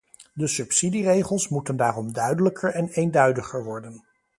De subsidieregels moeten daarom duidelijker en eenduidiger worden.